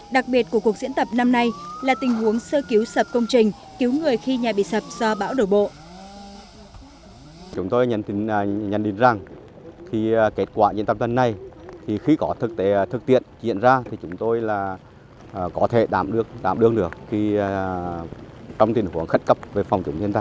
đặc biệt của cuộc diễn tập năm nay là tình huống sơ cứu sập công trình cứu người khi nhà bị sập do bão đổ bộ